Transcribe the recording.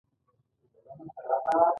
دا کار د لیاقت او کفایت په اساس کیږي.